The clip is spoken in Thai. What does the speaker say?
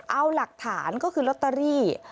เอาหลักฐานก็คือลอตเตอรี่